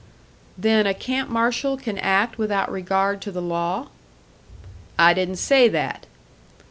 "Then a camp marshal can act without regard to the law?" "I didn't say that."